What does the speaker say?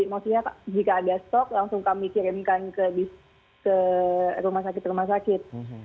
maksudnya jika ada stok langsung kami kirimkan ke rumah sakit rumah sakit